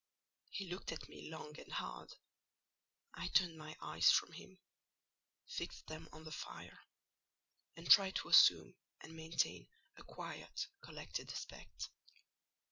He looked at me long and hard: I turned my eyes from him, fixed them on the fire, and tried to assume and maintain a quiet, collected aspect.